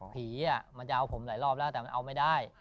ผีมันจะเอาผมหลายรอบแล้วแต่มันเอาไม่ได้